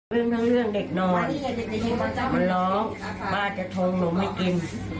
เรื่องทั้งเรื่องเด็กนอนมันร้องป้าจะทงหนูไม่กิน